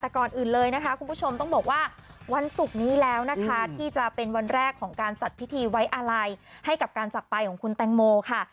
แต่ก่อนอื่นเลยนะคะคุณผู้ชมต้องบอกว่าวันศุกร์นี้แล้วนะคะที่จะเป็นวันแรกของการจัดพิธีไว้อาลัยให้กับการจักรไปของคุณแตงโมค่ะ